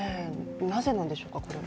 なぜなんでしょうか、これは。